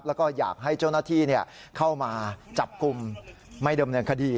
แล้วก็อยากให้เจ้าหน้าที่เข้ามาจับกลุ่มไม่เดิมเนินคดี